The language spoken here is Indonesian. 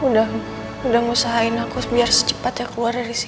udah udah ngerusahain aku biar secepatnya keluar dari sini